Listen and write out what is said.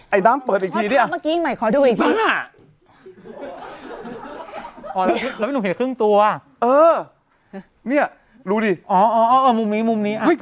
ไอ้ด้ามเปิดอีกทีเนี่ย